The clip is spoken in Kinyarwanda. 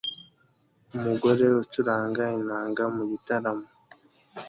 Umugore ucuranga inanga mugitaramo